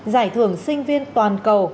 giải thưởng sinh viên toàn cầu